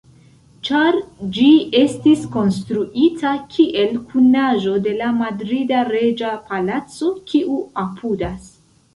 Ĉar ĝi estis konstruita kiel kunaĵo de la Madrida Reĝa Palaco kiu apudas.